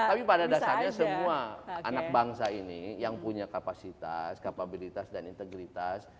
tapi pada dasarnya semua anak bangsa ini yang punya kapasitas kapabilitas dan integritas